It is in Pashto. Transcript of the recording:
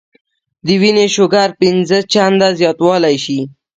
د وينې شوګر پنځه چنده زياتولے شي -